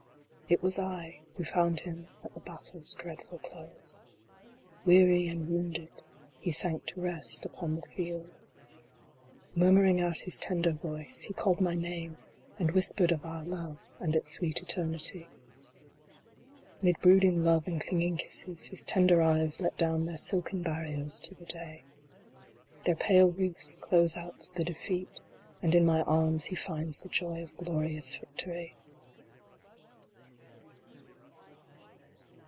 It was I who found him at the battle s dreadful close. Weary and wounded, he sank to rest upon the field. SAVED. 117 Murmuring out his tender voice, he called my name, and whispered of our love, and its sweet eternity. Mid brooding love and clinging kisses, his tender eyes let down their silken barriers to the day. Their pale roofs close out the defeat, and in my arms he rinds the joy of glorious victory.